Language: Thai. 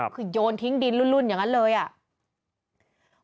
คือโยนทิ้งดินรุ่นอย่างนั้นเลยอ่ะ